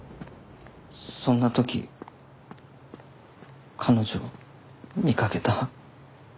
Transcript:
そんな時彼女を見かけた。